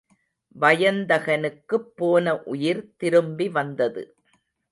வயந்தகனுக்குப் போன உயிர் திரும்பிவந்தது.